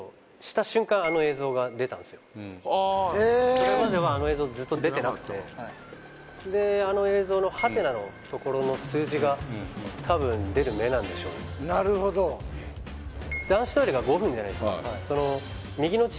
それまではあの映像ずっと出てなくてであの映像の「？」のところの数字が多分なるほど男子トイレが５分じゃないすか